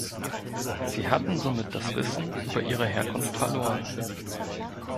Sie hatten somit das Wissen über ihre Herkunft verloren.